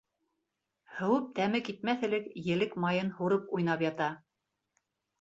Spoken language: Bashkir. Һыуып тәме китмәҫ элек Елек майын һурып уйнап ята.